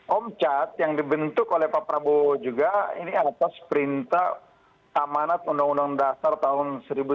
omcat yang dibentuk oleh pak prabowo juga ini atas perintah amanat undang undang dasar tahun seribu sembilan ratus empat puluh